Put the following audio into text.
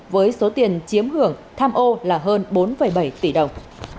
với số tiền chiếm hưởng tham ô là hơn bốn bảy tỷ đồng